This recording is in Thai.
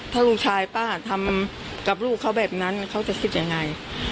ถ้าลูกชายป้าทำกับลูกเขาแบบนั้นเขาจะคิดยังไง